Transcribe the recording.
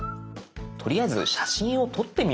とりあえず写真を撮ってみましょう。